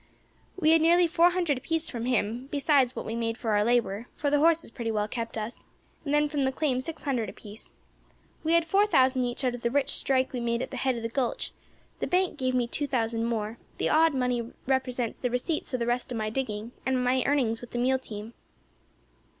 We had nearly four hundred apiece from him, besides what we made for our labour, for the horses pretty well kept us; then from the claim six hundred apiece. We had four thousand each out of the rich strike we made at the head of the gulch; the bank gave me two thousand more; the odd money represents the receipts of the rest of my digging and of my earnings with the mule team."